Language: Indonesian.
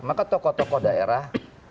maka tokoh tokoh daerah